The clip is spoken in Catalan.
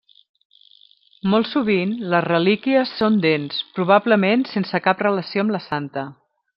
Molt sovint, les relíquies són dents, probablement sense cap relació amb la santa.